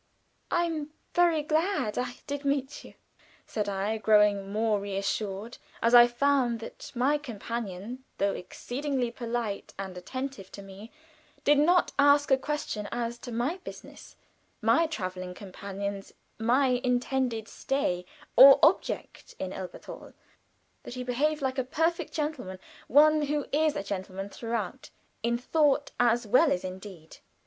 "I am very glad I did meet you," said I, growing more reassured as I found that my companion, though exceedingly polite and attentive to me, did not ask a question as to my business, my traveling companions, my intended stay or object in Elberthal that he behaved as a perfect gentleman one who is a gentleman throughout, in thought as well as in deed.